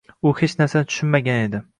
u hech narsani tushunmagan edi.